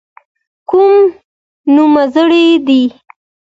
کوم نومځري دي.